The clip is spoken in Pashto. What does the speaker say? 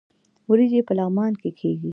وریجې په لغمان کې کیږي